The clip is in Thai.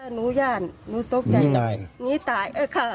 หนูย่านหนูตกใจหนูตาย